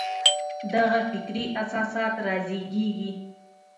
دغه فکري اساسات رازېږي.